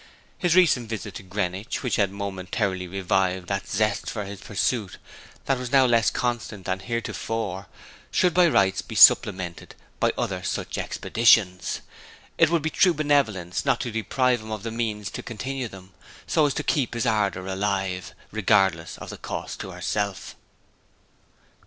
His recent visit to Greenwich, which had momentarily revived that zest for his pursuit that was now less constant than heretofore, should by rights be supplemented by other such expeditions. It would be true benevolence not to deprive him of means to continue them, so as to keep his ardour alive, regardless of the cost to herself.